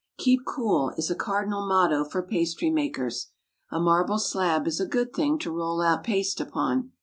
"Keep cool," is a cardinal motto for pastry makers. A marble slab is a good thing to roll out paste upon.